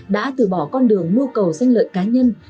đã từ bỏ con đường mưu cầu xanh lợi cá nhân